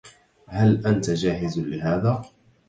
هل أنت جاهز لهذا؟